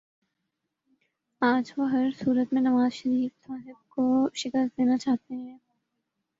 آج وہ ہر صورت میں نوازشریف صاحب کو شکست دینا چاہتے ہیں